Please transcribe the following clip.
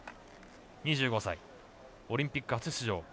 ２５歳、オリンピック初出場。